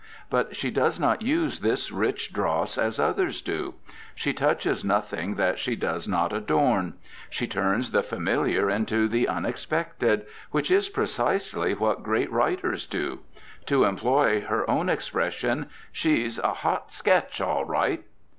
But she does not use this rich dross as others do. She touches nothing that she does not adorn. She turns the familiar into the unexpected, which is precisely what great writers do. To employ her own expression, she's "a hot sketch, all right."